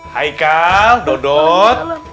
hai kal dodot